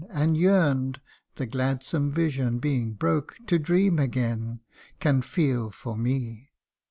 And yearn'd (the gladsome vision being broke) To dream again Can feel for me.